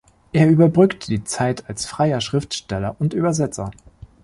Er überbrückte die Zeit als freier Schriftsteller und Übersetzer.